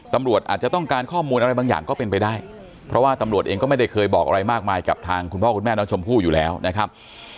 ตำรวจอาจจะต้องการข้อมูลอะไรบางอย่างก็เป็นไปได้เพราะว่าตำรวจเองก็ไม่ได้เคยบอกอะไรมากมายกับทางคุณพ่อคุณแม่น้องชมพู่อยู่แล้วนะครับ